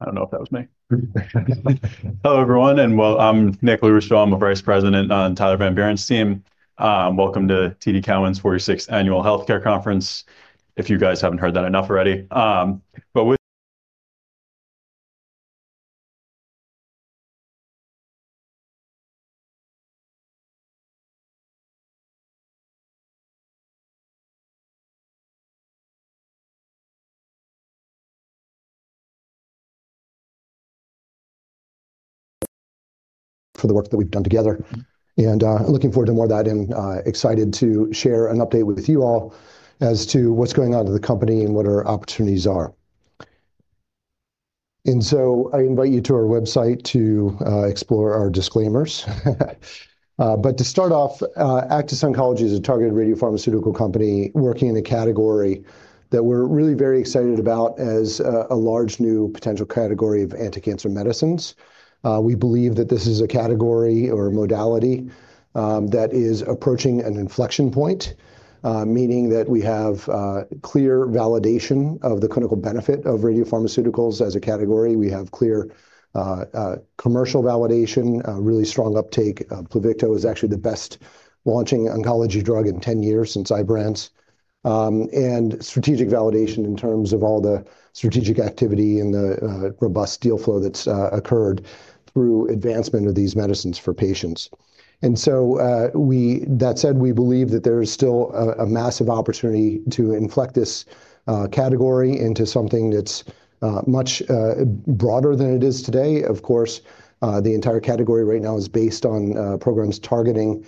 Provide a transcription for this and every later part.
I don't know if that was me. Hello, everyone, well, I'm Nick Varghese, I'm a Vice President on Tyler Van Buren's team. Welcome to TD Cowen's 46th Annual Healthcare Conference, if you guys haven't heard that enough already. For the work that we've done together, looking forward to more of that, excited to share an update with you all as to what's going on with the company and what our opportunities are. I invite you to our website to explore our disclaimers. To start off, Aktis Oncology is a targeted radiopharmaceutical company working in the category that we're really very excited about as a large new potential category of anticancer medicines. We believe that this is a category or modality that is approaching an inflection point, meaning that we have clear validation of the clinical benefit of radiopharmaceuticals as a category. We have clear commercial validation, a really strong uptake. Pluvicto is actually the best-launching oncology drug in 10 years since Ibrance. Strategic validation in terms of all the strategic activity and the robust deal flow that's occurred through advancement of these medicines for patients. That said, we believe that there is still a massive opportunity to inflect this category into something that's much broader than it is today. Of course, the entire category right now is based on programs targeting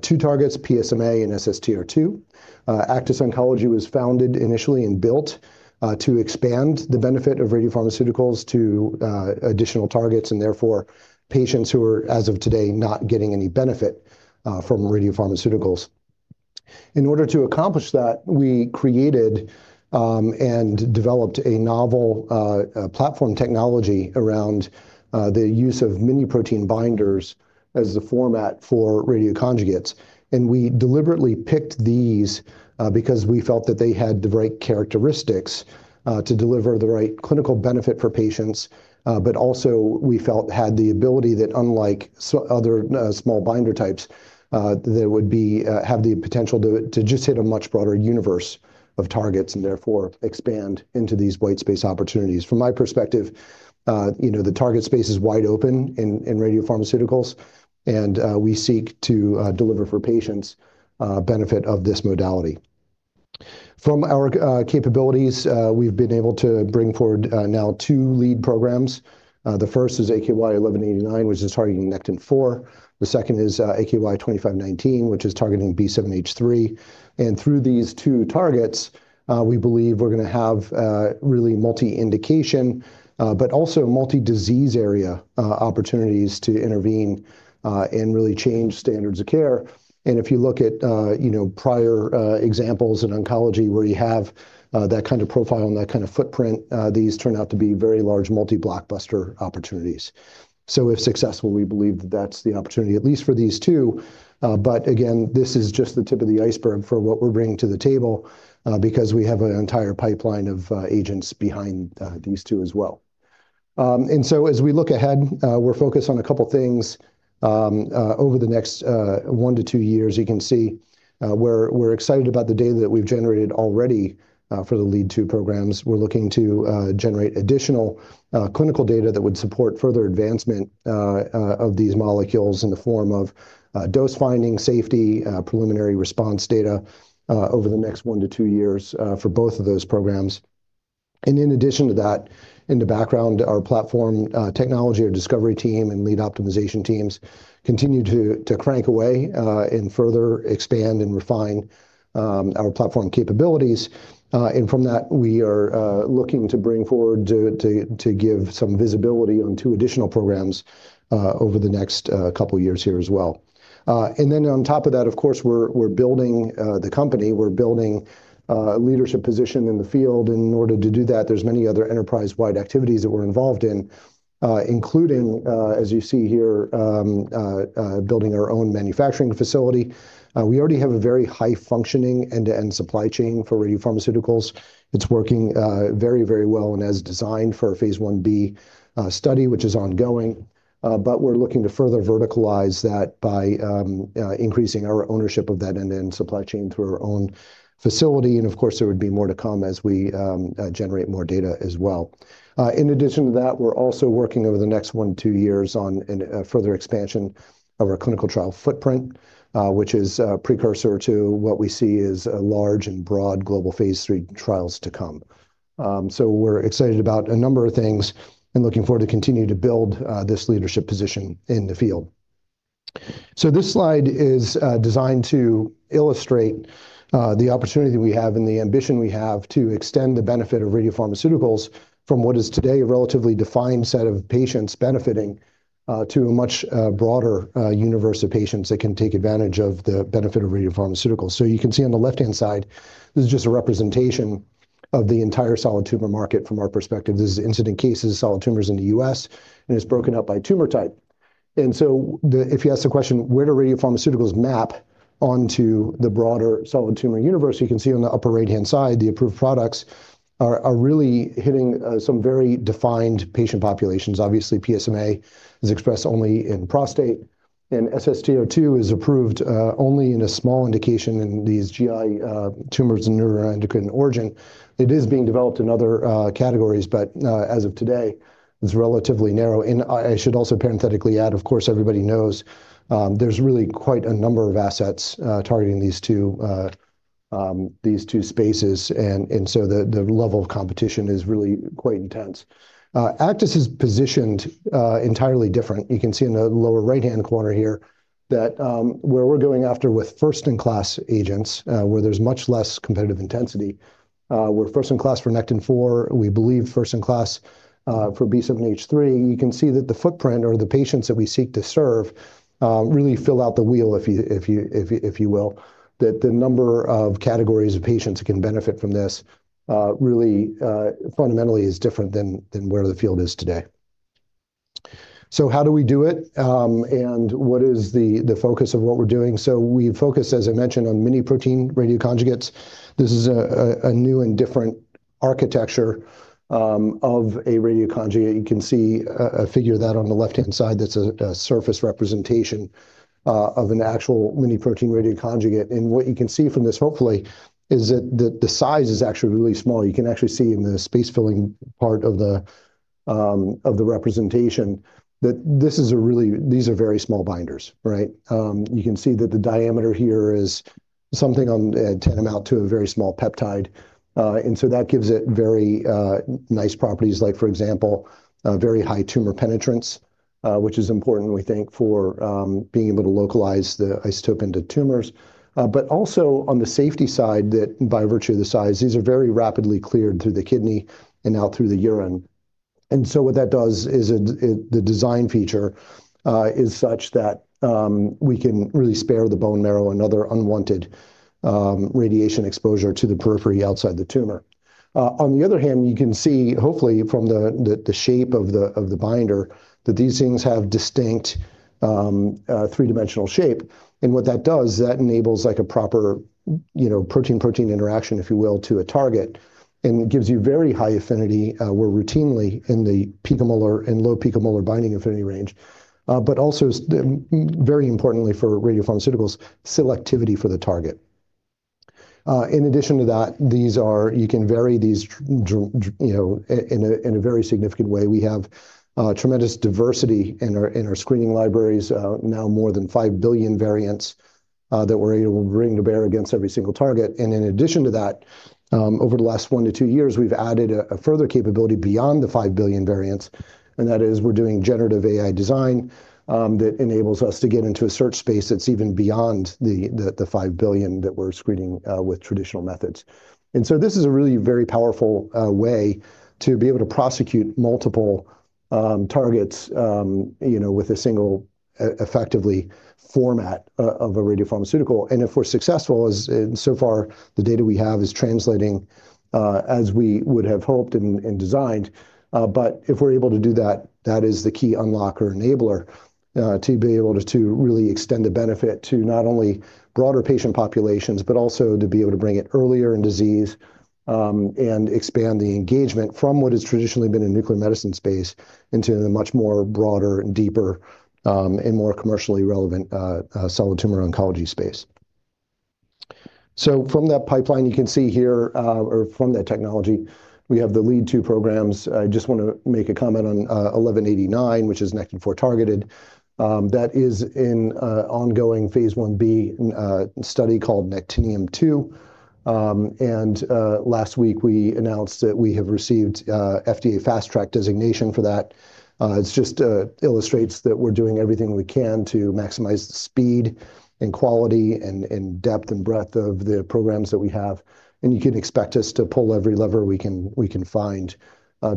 two targets, PSMA and SSTR2. Aktis Oncology was founded initially and built to expand the benefit of radiopharmaceuticals to additional targets and therefore patients who are, as of today, not getting any benefit from radiopharmaceuticals. In order to accomplish that, we created and developed a novel platform technology around the use of miniprotein binders as the format for radioconjugates. We deliberately picked these because we felt that they had the right characteristics to deliver the right clinical benefit for patients, but also we felt had the ability that unlike other small binder types that would be have the potential to just hit a much broader universe of targets and therefore expand into these white space opportunities. From my perspective, you know, the target space is wide open in radiopharmaceuticals, and we seek to deliver for patients benefit of this modality. From our capabilities, we've been able to bring forward now two lead programs. The first is AKY-1189, which is targeting Nectin-4. The second is AKY-2519, which is targeting B7-H3. Through these two targets, we believe we're gonna have really multi-indication, but also multi-disease area opportunities to intervene and really change standards of care. If you look at, you know, prior examples in oncology where you have that kind of profile and that kind of footprint, these turn out to be very large multi-blockbuster opportunities. If successful, we believe that that's the opportunity, at least for these two. Again, this is just the tip of the iceberg for what we're bringing to the table, because we have an entire pipeline of agents behind these two as well. As we look ahead, we're focused on a couple things over the next one to two years. You can see, we're excited about the data that we've generated already for the lead two programs. We're looking to generate additional clinical data that would support further advancement of these molecules in the form of dose finding, safety, preliminary response data over the next one to two years for both of those programs. In addition to that, in the background, our platform technology, our discovery team, and lead optimization teams continue to crank away and further expand and refine our platform capabilities. From that, we are looking to bring forward to give some visibility on two additional programs over the next couple years here as well. Then on top of that, of course, we're building the company, we're building a leadership position in the field. In order to do that, there's many other enterprise-wide activities that we're involved in, including, as you see here, building our own manufacturing facility. We already have a very high-functioning end-to-end supply chain for radiopharmaceuticals. It's working very, very well and as designed for a Phase I-B study, which is ongoing. We're looking to further verticalize that by increasing our ownership of that end-to-end supply chain through our own facility. Of course, there would be more to come as we generate more data as well. In addition to that, we're also working over the next one to two years on an further expansion of our clinical trial footprint, which is a precursor to what we see as a large and broad global phase III trials to come. We're excited about a number of things and looking forward to continue to build this leadership position in the field. This slide is designed to illustrate the opportunity we have and the ambition we have to extend the benefit of radiopharmaceuticals from what is today a relatively defined set of patients benefiting to a much broader universe of patients that can take advantage of the benefit of radiopharmaceuticals. You can see on the left-hand side, this is just a representation of the entire solid tumor market from our perspective. This is incident cases of solid tumors in the US, and it's broken up by tumor type. The, if you ask the question, where do radiopharmaceuticals map onto the broader solid tumor universe? You can see on the upper right-hand side, the approved products are really hitting some very defined patient populations. Obviously, PSMA is expressed only in prostate, and SSTR2 is approved, only in a small indication in these GI tumors and neuroendocrine origin. It is being developed in other categories, but as of today, it's relatively narrow. I should also parenthetically add, of course, everybody knows, there's really quite a number of assets targeting these two spaces, and so the level of competition is really quite intense. Aktis is positioned entirely different. You can see in the lower right-hand corner here that where we're going after with first-in-class agents, where there's much less competitive intensity, we're first in class for Nectin-4, we believe first in class for B7-H3. You can see that the footprint or the patients that we seek to serve, really fill out the wheel if you will, that the number of categories of patients who can benefit from this, really fundamentally is different than where the field is today. How do we do it, and what is the focus of what we're doing? We focus, as I mentioned, on miniprotein radioconjugates. This is a new and different architecture of a radioconjugate. You can see a figure that on the left-hand side that's a surface representation of an actual miniprotein radioconjugate. What you can see from this hopefully is that the size is actually really small. You can actually see in the space-filling part of the representation that these are very small binders, right? You can see that the diameter here is something tantamount to a very small peptide. That gives it very nice properties like, for example, a very high tumor penetrance, which is important, we think, for being able to localize the isotope into tumors. Also on the safety side that by virtue of the size, these are very rapidly cleared through the kidney and out through the urine. What that does is the design feature is such that we can really spare the bone marrow and other unwanted radiation exposure to the periphery outside the tumor. On the other hand, you can see hopefully from the, the shape of the, of the binder that these things have distinct three-dimensional shape. What that does, that enables like a proper, you know, protein-protein interaction, if you will, to a target and gives you very high affinity, where routinely in the picomolar and low picomolar binding affinity range, but also very importantly for radiopharmaceuticals, selectivity for the target. In addition to that, these are you can vary these, you know, in a very significant way. We have tremendous diversity in our, in our screening libraries, now more than 5 billion variants that we're able to bring to bear against every single target. In addition to that, over the last one to two years, we've added a further capability beyond the 5 billion variants, and that is we're doing generative AI design, that enables us to get into a search space that's even beyond the 5 billion that we're screening with traditional methods. This is a really very powerful way to be able to prosecute multiple targets, you know, with a single effectively format of a radiopharmaceutical. If we're successful, as so far the data we have is translating, as we would have hoped and designed, but if we're able to do that is the key unlock or enabler, to be able to really extend the benefit to not only broader patient populations, but also to be able to bring it earlier in disease, and expand the engagement from what has traditionally been a nuclear medicine space into a much more broader and deeper, and more commercially relevant, solid tumor oncology space. From that pipeline, you can see here, or from that technology, we have the lead two programs. I just wanna make a comment on AKY-1189, which is Nectin-4 targeted. That is in, ongoing Phase I-B, study called NECTINIUM-2. Last week, we announced that we have received FDA Fast Track designation for that. It just illustrates that we're doing everything we can to maximize the speed and quality and depth and breadth of the programs that we have. You can expect us to pull every lever we can find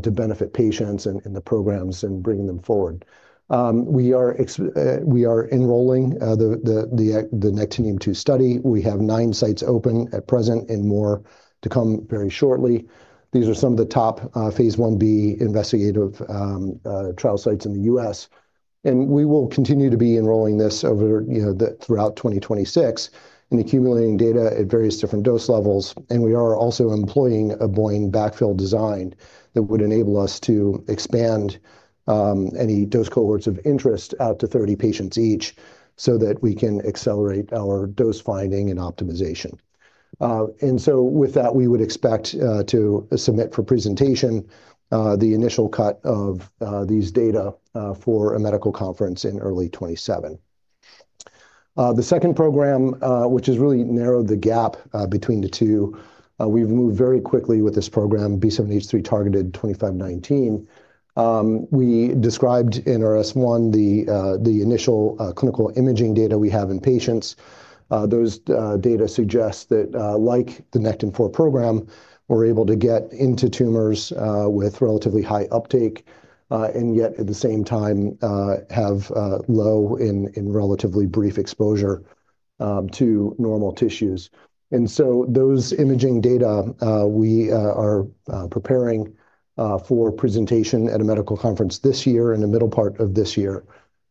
to benefit patients and the programs and bringing them forward. We are enrolling the NECTINIUM-2 study. We have nine sites open at present and more to come very shortly. These are some of the top Phase I-B investigative trial sites in the U.S. We will continue to be enrolling this over, you know, throughout 2026 and accumulating data at various different dose levels. We are also employing a Bayesian backfill design that would enable us to expand any dose cohorts of interest out to 30 patients each so that we can accelerate our dose finding and optimization. With that, we would expect to submit for presentation the initial cut of these data for a medical conference in early 2027. The second program, which has really narrowed the gap between the two, we've moved very quickly with this program, B7-H3 targeted AKY-2519. We described in S-1 the initial clinical imaging data we have in patients. Those data suggest that like the Nectin-4 program, we're able to get into tumors with relatively high uptake, and yet at the same time, have low in relatively brief exposure to normal tissues. Those imaging data, we are preparing for presentation at a medical conference this year in the middle part of this year.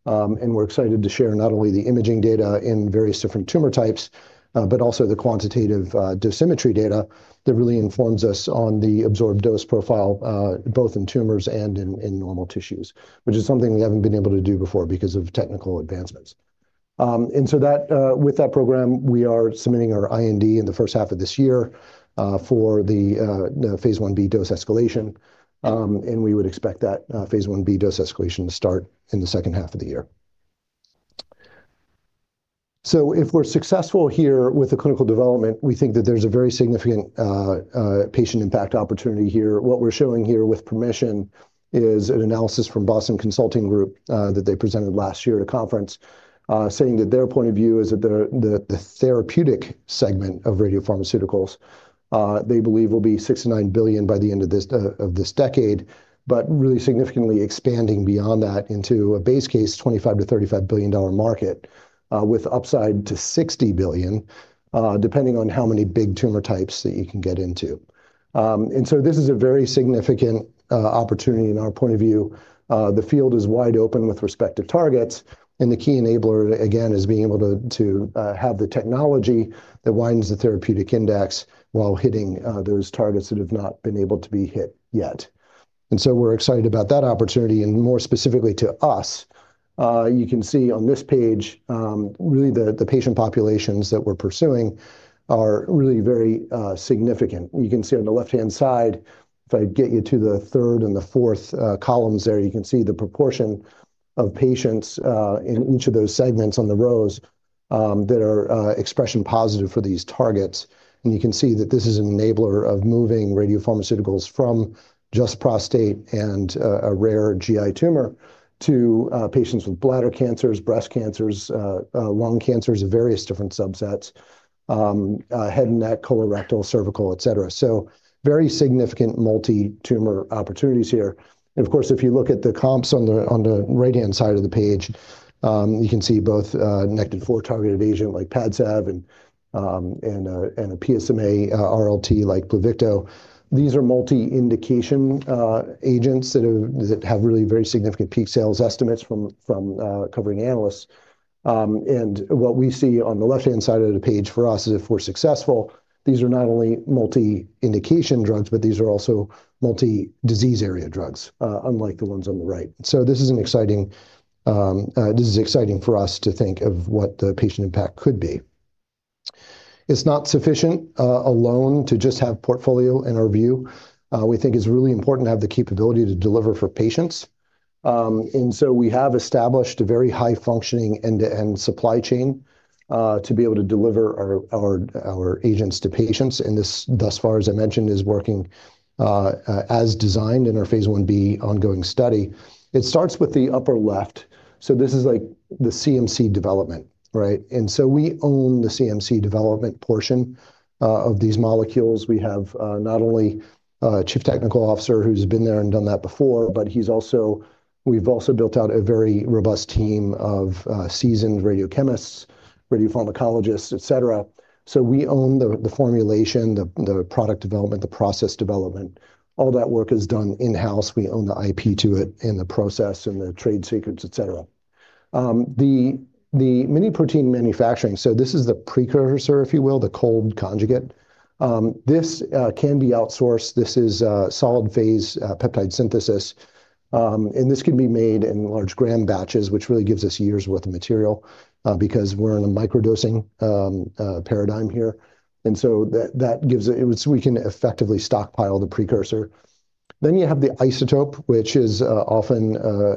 We're excited to share not only the imaging data in various different tumor types, but also the quantitative dosimetry data that really informs us on the absorbed dose profile, both in tumors and in normal tissues, which is something we haven't been able to do before because of technical advancements. With that program, we are submitting our IND in the first half of this year for the Phase 1b dose escalation. We would expect that phase I-B dose escalation to start in the second half of the year. If we're successful here with the clinical development, we think that there's a very significant patient impact opportunity here. What we're showing here with permission is an analysis from Boston Consulting Group that they presented last year at a conference saying that their point of view is that the therapeutic segment of radiopharmaceuticals they believe will be $6 billion-$9 billion by the end of this decade, but really significantly expanding beyond that into a base case, $25 billion-$35 billion market with upside to $60 billion depending on how many big tumor types that you can get into. This is a very significant opportunity in our point of view. The field is wide open with respect to targets, and the key enabler, again, is being able to have the technology that widens the therapeutic index while hitting those targets that have not been able to be hit yet. We're excited about that opportunity and more specifically to us. You can see on this page, really the patient populations that we're pursuing are really very significant. You can see on the left-hand side, if I get you to the third and the fourth columns there, you can see the proportion of patients in each of those segments on the rows that are expression positive for these targets. You can see that this is an enabler of moving radiopharmaceuticals from just prostate and a rare GI tumor to patients with bladder cancers, breast cancers, lung cancers of various different subsets, head and neck, colorectal, cervical, et cetera. Very significant multi-tumor opportunities here. Of course, if you look at the comps on the right-hand side of the page, you can see both Nectin-4 targeted agent like Padcev and a PSMA RLT like Pluvicto. These are multi-indication agents that have really very significant peak sales estimates from covering analysts. What we see on the left-hand side of the page for us is if we're successful, these are not only multi-indication drugs, but these are also multi-disease area drugs, unlike the ones on the right. This is exciting for us to think of what the patient impact could be. It's not sufficient alone to just have portfolio in our view. We think it's really important to have the capability to deliver for patients. We have established a very high functioning end-to-end supply chain to be able to deliver our agents to patients. This, thus far, as I mentioned, is working as designed in our Phase I-B ongoing study. It starts with the upper left, this is like the CMC development, right? We own the CMC development portion of these molecules. We have not only a chief technical officer who's been there and done that before, we've also built out a very robust team of seasoned radiochemists, radiopharmacologists, et cetera. We own the formulation, the product development, the process development. All that work is done in-house. We own the IP to it and the process and the trade secrets, et cetera. The miniprotein manufacturing, so this is the precursor, if you will, the cold conjugate. This can be outsourced. This is solid-phase peptide synthesis. This can be made in large grand batches, which really gives us years worth of material because we're in a microdosing paradigm here. That we can effectively stockpile the precursor. You have the isotope, which is often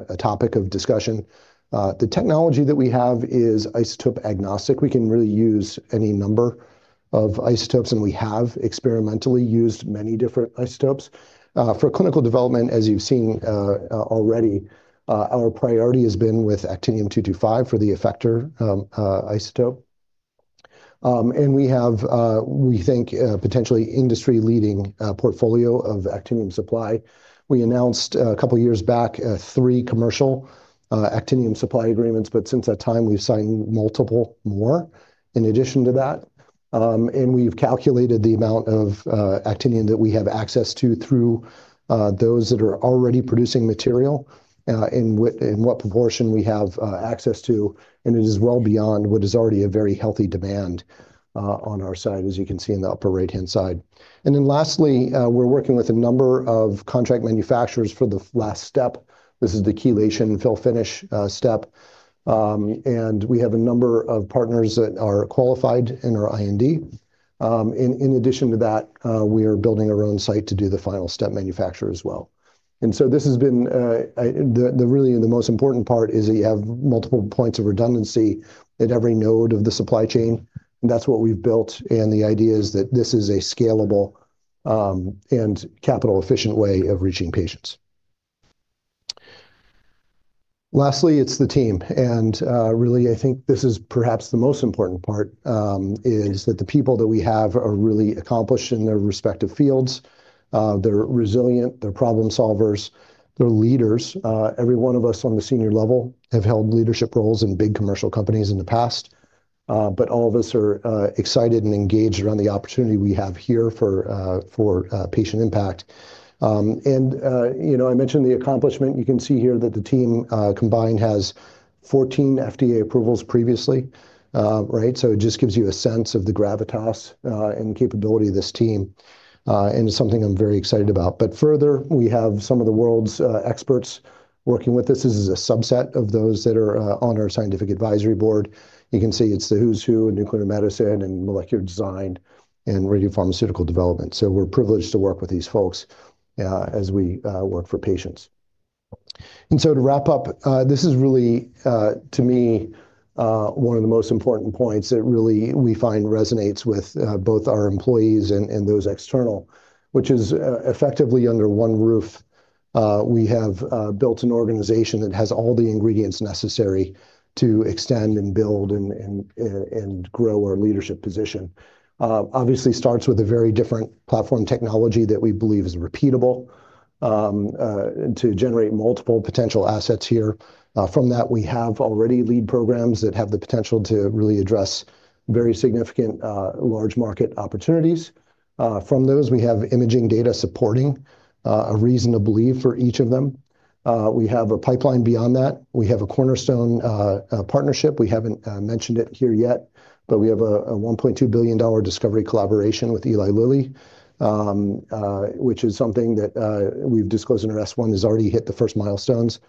a topic of discussion. The technology that we have is isotope-agnostic. We can really use any number of isotopes, and we have experimentally used many different isotopes. For clinical development, as you've seen already, our priority has been with Actinium-225 for the effector isotope. We have, we think, potentially industry-leading portfolio of actinium supply. We announced a couple years back, three commercial actinium supply agreements, since that time, we've signed multiple more in addition to that. We've calculated the amount of actinium that we have access to through those that are already producing material, and what proportion we have access to, and it is well beyond what is already a very healthy demand on our side, as you can see in the upper right-hand side. Then lastly, we're working with a number of contract manufacturers for the last step. This is the chelation fill-finish step. We have a number of partners that are qualified in our IND. In addition to that, we are building our own site to do the final step manufacture as well. This has been the really the most important part is that you have multiple points of redundancy at every node of the supply chain. That's what we've built, and the idea is that this is a scalable and capital-efficient way of reaching patients. Lastly, it's the team. Really, I think this is perhaps the most important part, is that the people that we have are really accomplished in their respective fields. They're resilient, they're problem solvers, they're leaders. Every one of us on the senior level have held leadership roles in big commercial companies in the past. But all of us are excited and engaged around the opportunity we have here for patient impact. You know, I mentioned the accomplishment. You can see here that the team combined has 14 FDA approvals previously, right? It just gives you a sense of the gravitas and capability of this team, and it's something I'm very excited about. Further, we have some of the world's experts working with us. This is a subset of those that are on our scientific advisory board. You can see it's the who's who in nuclear medicine and molecular design and radiopharmaceutical development. We're privileged to work with these folks as we work for patients. To wrap up, this is really to me one of the most important points that really we find resonates with both our employees and those external, which is effectively under one roof, we have built an organization that has all the ingredients necessary to extend and build and grow our leadership position. Obviously starts with a very different platform technology that we believe is repeatable to generate multiple potential assets here. From that, we have already lead programs that have the potential to really address very significant, large market opportunities. From those, we have imaging data supporting a reason to believe for each of them. We have a pipeline beyond that. We have a cornerstone partnership. We haven't mentioned it here yet, but we have a $1.2 billion discovery collaboration with Eli Lilly, which is something that we've disclosed in S-1 has already hit the first milestones.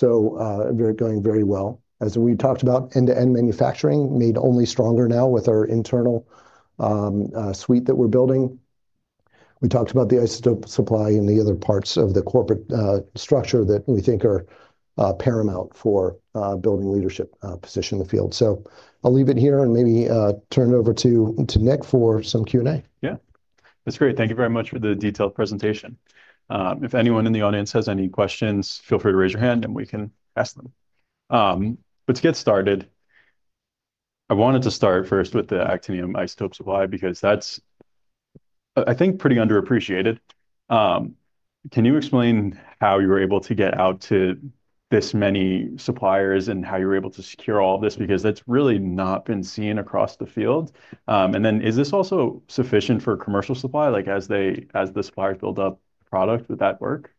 Going very well. As we talked about end-to-end manufacturing made only stronger now with our internal suite that we're building. We talked about the isotope supply and the other parts of the corporate structure that we think are paramount for building leadership position in the field. I'll leave it here and maybe, turn it over to Nick for some Q&A. Yeah. That's great. Thank you very much for the detailed presentation. If anyone in the audience has any questions, feel free to raise your hand and we can ask them. Let's get started. I wanted to start first with the actinium isotope supply because that's, I think pretty underappreciated. Can you explain how you were able to get out to this many suppliers and how you were able to secure all this? That's really not been seen across the field. Is this also sufficient for commercial supply? Like, as the suppliers build up product, would that work?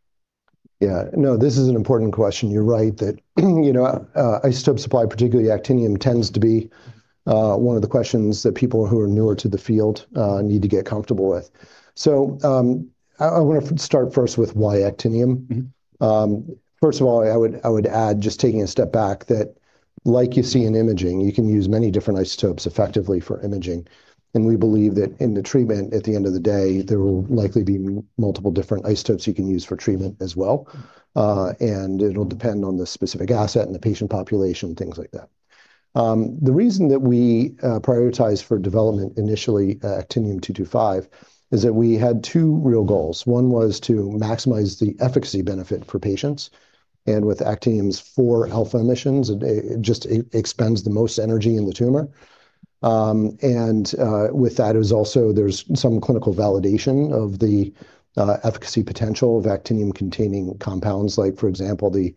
Yeah. No, this is an important question. You're right that, you know, isotope supply, particularly actinium, tends to be one of the questions that people who are newer to the field need to get comfortable with. I wanna start first with why actinium. Mm-hmm. First of all, I would add just taking a step back that like you see in imaging, you can use many different isotopes effectively for imaging, and we believe that in the treatment, at the end of the day, there will likely be multiple different isotopes you can use for treatment as well. It'll depend on the specific asset and the patient population, things like that. The reason that we prioritize for development initially, Actinium-225, is that we had two real goals. One was to maximize the efficacy benefit for patients, and with Actinium's four alpha emissions, it just expends the most energy in the tumor. With that, it was also there's some clinical validation of the efficacy potential of actinium-containing compounds, like, for example, the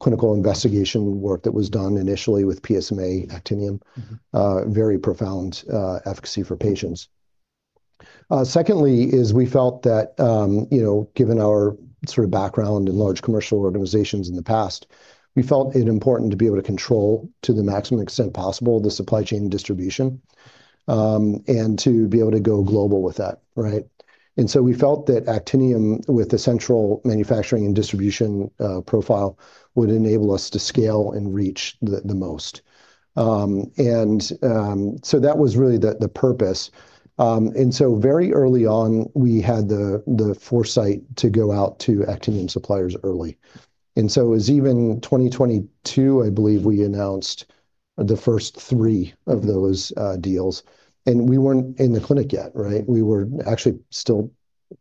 clinical investigation work that was done initially with PSMA actinium. Mm-hmm. Very profound efficacy for patients. Secondly is we felt that, you know, given our sort of background in large commercial organizations in the past, we felt it important to be able to control, to the maximum extent possible, the supply chain distribution, and to be able to go global with that, right? We felt that Actinium-225 with the central manufacturing and distribution profile would enable us to scale and reach the most. That was really the purpose. Very early on, we had the foresight to go out to Actinium-225 suppliers early. It was even 2022, I believe, we announced the first three of those deals, and we weren't in the clinic yet, right? We were actually still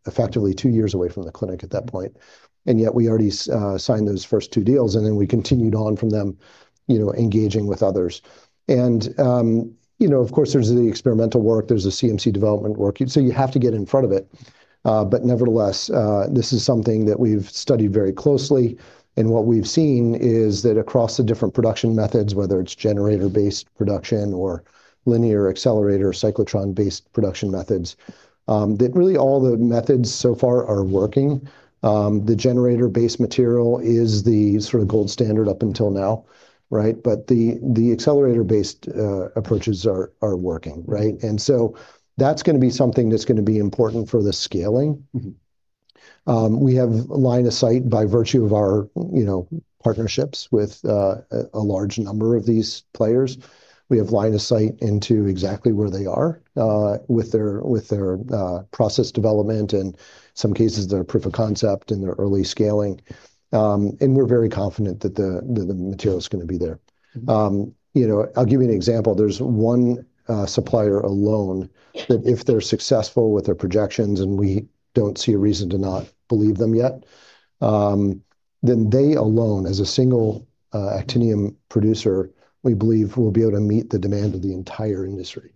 effectively two years away from the clinic at that point, yet we already signed those first two deals. We continued on from them, you know, engaging with others. You know, of course, there's the experimental work, there's the CMC development work. You have to get in front of it. Nevertheless, this is something that we've studied very closely, and what we've seen is that across the different production methods, whether it's generator-based production or linear accelerator or cyclotron-based production methods, that really all the methods so far are working. The generator-based material is the sort of gold standard up until now, right? The accelerator-based approaches are working, right? That's gonna be something that's gonna be important for the scaling. Mm-hmm. We have line of sight by virtue of our, you know, partnerships with a large number of these players. We have line of sight into exactly where they are with their process development, in some cases, their proof of concept and their early scaling. We're very confident that the material is gonna be there. You know, I'll give you an example. There's 1 supplier alone that if they're successful with their projections, and we don't see a reason to not believe them yet, then they alone, as a single actinium producer, we believe will be able to meet the demand of the entire industry.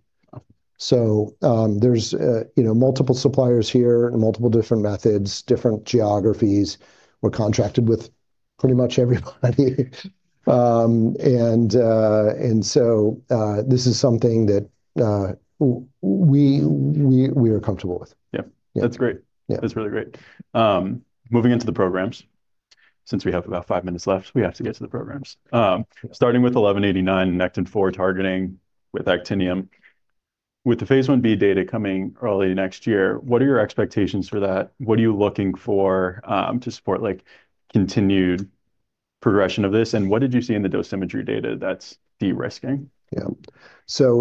There's, you know, multiple suppliers here and multiple different methods, different geographies. We're contracted with pretty much everybody. This is something that we are comfortable with. Yeah. Yeah. That's great. Yeah. That's really great. Moving into the programs, since we have about five minutes left, we have to get to the programs. Sure. Starting with 1189 Nectin-4 targeting with Actinium. With the Phase I-B data coming early next year, what are your expectations for that? What are you looking for, to support, like, continued progression of this, and what did you see in the dosimetry data that's de-risking? Yeah.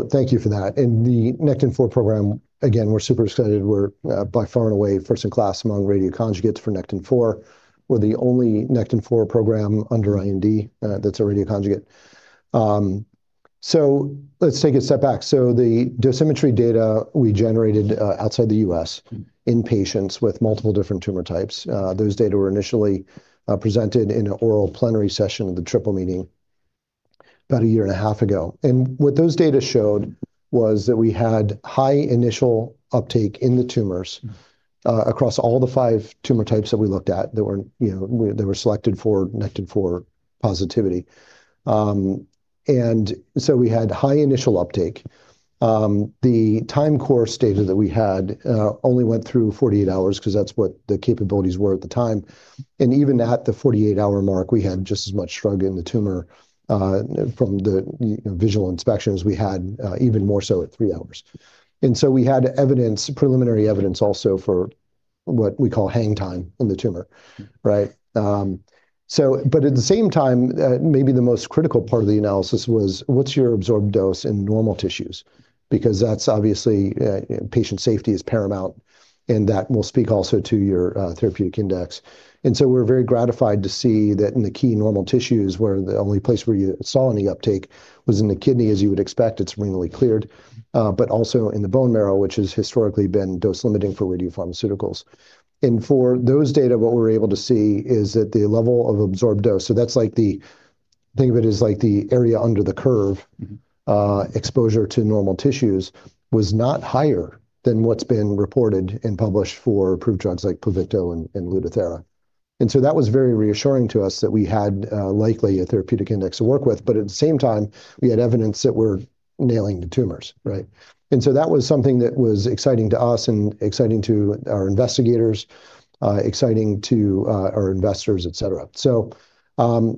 Thank you for that. In the Nectin-4 program, again, we're super excited. We're by far and away first in class among radioconjugates for Nectin-4. We're the only Nectin-4 program under IND that's a radioconjugate. Let's take a step back. The dosimetry data we generated outside the U.S. in patients with multiple different tumor types, those data were initially presented in an oral plenary session of the EORTC-NCI-AACR Symposium about a year and a half ago. What those data showed was that we had high initial uptake in the tumors across all the five tumor types that we looked at. They weren't, you know, they were selected for Nectin-4 positivity. We had high initial uptake. The time course data that we had only went through 48 hours 'cause that's what the capabilities were at the time. Even at the 48-hour mark, we had just as much drug in the tumor, from the, you know, visual inspections we had, even more so at three hours. We had evidence, preliminary evidence also for what we call hang time in the tumor, right? But at the same time, maybe the most critical part of the analysis was what's your absorbed dose in normal tissues because that's obviously patient safety is paramount, and that will speak also to your therapeutic index. We're very gratified to see that in the key normal tissues, where the only place where you saw any uptake was in the kidney, as you would expect, it's renally cleared, but also in the bone marrow, which has historically been dose limiting for radiopharmaceuticals. For those data, what we're able to see is that the level of absorbed dose, so that's like the, think of it as, like, the area under the curve. Mm-hmm exposure to normal tissues was not higher than what's been reported and published for approved drugs like Pluvicto and Lutathera. That was very reassuring to us that we had likely a therapeutic index to work with, but at the same time, we had evidence that we're nailing the tumors, right? That was something that was exciting to us and exciting to our investigators, exciting to our investors, et cetera.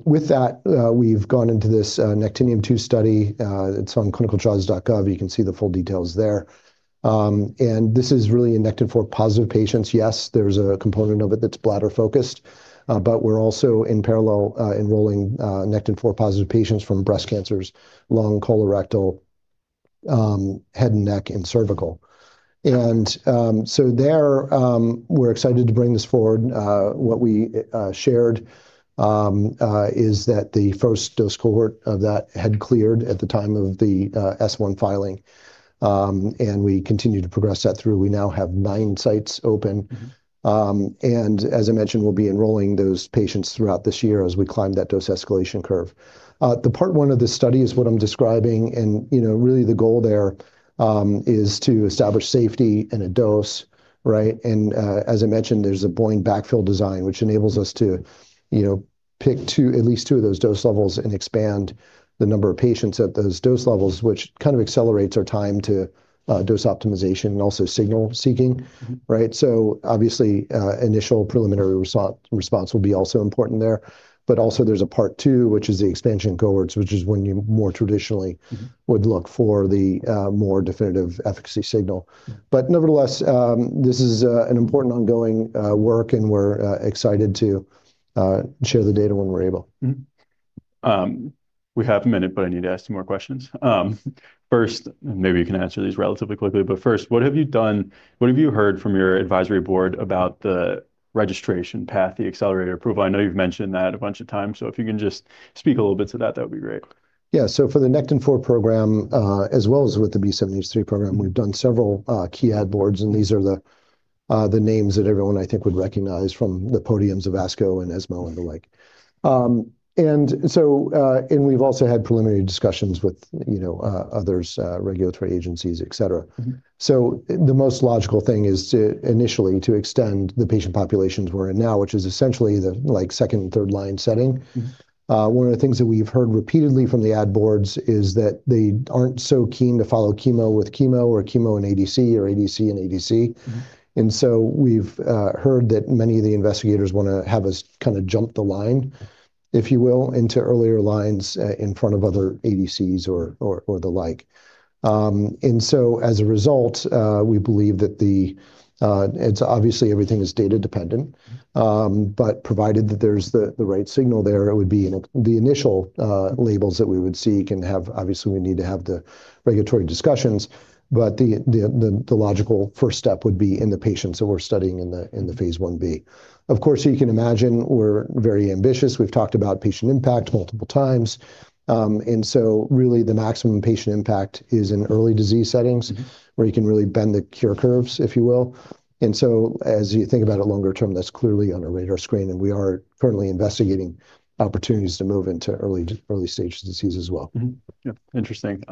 With that, we've gone into this NECTINIUM-2 study. It's on ClinicalTrials.gov. You can see the full details there. This is really in Nectin-4 positive patients. Yes, there's a component of it that's bladder-focused, but we're also in parallel enrolling Nectin-4 positive patients from breast cancers, lung, colorectal, head and neck, and cervical. There, we're excited to bring this forward. What we shared is that the first dose cohort of that had cleared at the time of the S-1 filing, and we continue to progress that through. We now have nine sites open. As I mentioned, we'll be enrolling those patients throughout this year as we climb that dose escalation curve. The part one of the study is what I'm describing, you know, really the goal there is to establish safety in a dose, right? As I mentioned, there's a Bayesian backfill design which enables us to, you know, pick at least two of those dose levels and expand the number of patients at those dose levels, which kind of accelerates our time to dose optimization and also signal seeking. Mm-hmm. Right? Obviously, initial preliminary response will be also important there. Also there's a part two, which is the expansion cohorts, which is when you more traditionally. Mm-hmm Would look for the more definitive efficacy signal. Nevertheless, this is an important ongoing work, and we're excited to share the data when we're able. We have a minute, but I need to ask you more questions. First, maybe you can answer these relatively quickly, first, what have you heard from your advisory board about the registration path, the accelerator approval? I know you've mentioned that a bunch of times, so if you can just speak a little bit to that would be great. For the Nectin-4 program, as well as with the B7-H3 program, we've done several key ad boards, and these are the names that everyone I think would recognize from the podiums of ASCO and ESMO and the like. We've also had preliminary discussions with, you know, others, regulatory agencies, et cetera. Mm-hmm. The most logical thing is to initially to extend the patient populations we're in now, which is essentially the, like, second and third line setting. Mm-hmm. One of the things that we've heard repeatedly from the ad boards is that they aren't so keen to follow chemo with chemo or chemo and ADC or ADC and ADC. Mm-hmm. We've heard that many of the investigators wanna have us kinda jump the line, if you will, into earlier lines, in front of other ADC or the like. As a result, we believe that the, it's obviously everything is data dependent, but provided that there's the right signal there, it would be in the initial labels that we would seek and have. Obviously, we need to have the regulatory discussions, but the logical first step would be in the patients that we're studying in the phase I-B. Of course, you can imagine we're very ambitious. We've talked about patient impact multiple times. Really the maximum patient impact is in early disease settings- Mm-hmm Where you can really bend the cure curves, if you will. As you think about it longer term, that's clearly on our radar screen, and we are currently investigating opportunities to move into early-stage disease as well. Mm-hmm. Yeah. Interesting.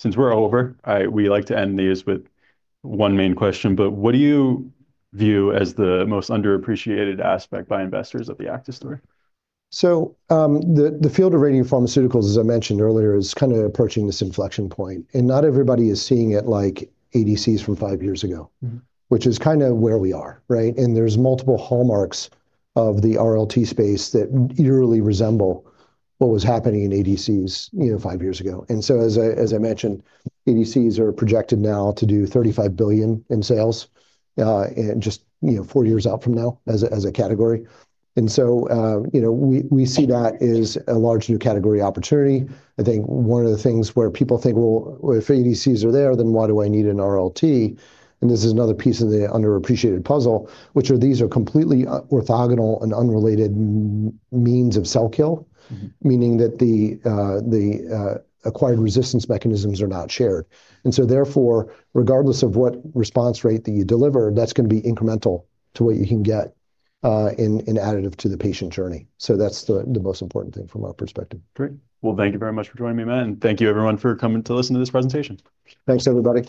Since we're over, we like to end these with one main question. What do you view as the most underappreciated aspect by investors of the Aktis story? The field of radiopharmaceuticals, as I mentioned earlier, is kind of approaching this inflection point, and not everybody is seeing it like ADCs from five years ago. Mm-hmm Which is kind of where we are, right? There's multiple hallmarks of the RLT space that eerily resemble what was happening in ADCs, you know, five years ago. As I mentioned, ADCs are projected now to do $35 billion in sales, in just, you know, four years out from now as a category. You know, we see that as a large new category opportunity. I think one of the things where people think, "Well, if ADCs are there, then why do I need an RLT?" This is another piece of the underappreciated puzzle, which are these are completely orthogonal and unrelated means of cell kill. Mm-hmm. Meaning that the acquired resistance mechanisms are not shared. Therefore, regardless of what response rate that you deliver, that's gonna be incremental to what you can get, in additive to the patient journey. That's the most important thing from our perspective. Great. Thank you very much for joining me, man. Thank you everyone for coming to listen to this presentation. Thanks, everybody.